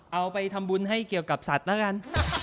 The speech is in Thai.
เอาไปทำบุญให้เกี่ยวกับสัตว์แล้วกัน